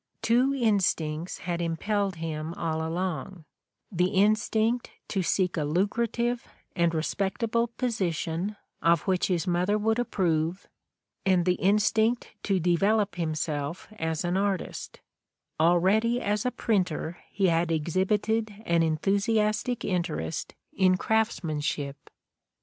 Two instincts had impelled him all along, the instinct to seek a lucrative and respect able position of which his mother would approve and the instinct to develop himself as an artist: already as a printer he had exhibited an enthusiastic interest in craftsmanship.